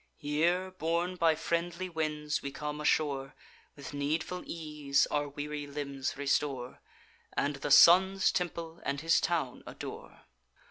Here, borne by friendly winds, we come ashore, With needful ease our weary limbs restore, And the Sun's temple and his town adore.